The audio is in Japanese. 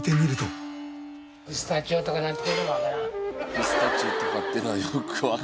「ピスタチオとかっていうのはよくわからん」。